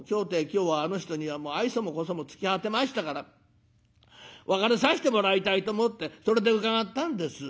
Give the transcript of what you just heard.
今日はあの人には愛想も小想も尽き果てましたから別れさしてもらいたいと思ってそれで伺ったんです」。